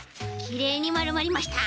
きれいにまるまりました。